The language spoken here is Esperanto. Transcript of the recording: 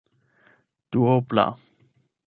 duobla